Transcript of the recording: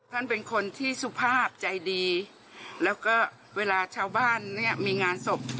ท่านเป็นคนที่สุภาพใจดีแล้วก็เวลาชาวบ้านเนี่ยมีงานศพ